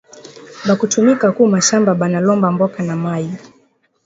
Bakutumika ku mashamba bana lomba mboka na mayi